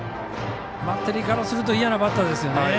バッテリーからすると嫌なバッターですよね。